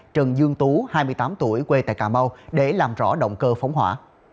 trần dương tú hai mươi tám tuổi quê tại cà mau để làm rõ động cơ phóng hỏa